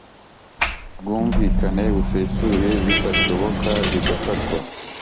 bwumvikane busesuye bitashoboka bigafatwa